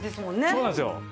そうなんですよ。